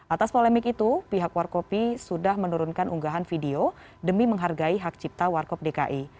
atas polemik itu pihak warkopi sudah menurunkan unggahan video demi menghargai hak cipta warkop dki